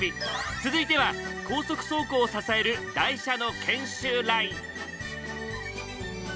続いては高速走行を支える台車の検修ライン。